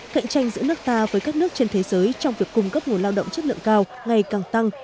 cạnh tranh giữa nước ta với các nước trên thế giới trong việc cung cấp nguồn lao động chất lượng cao ngày càng tăng